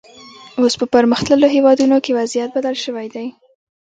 اوس په پرمختللو هېوادونو کې وضعیت بدل شوی دی.